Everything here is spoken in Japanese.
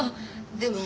でも。